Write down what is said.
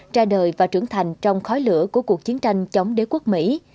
ra đời và trưởng thành trong khói lửa của cuộc chiến tranh chống đế quốc mỹ